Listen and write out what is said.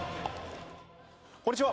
こんにちは。